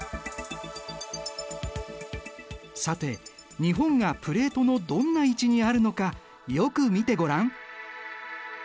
さて日本がプレートのどんな位置にあるのかよく見てごらん。